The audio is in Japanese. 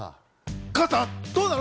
加藤さん、どうなの？